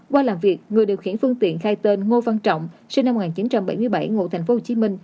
qua làm việc người điều khiển phương tiện khai tên ngô văn trọng sinh năm một nghìn chín trăm bảy mươi bảy ngụ tp hcm